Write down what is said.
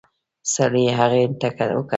سړي هغې ته وکتل.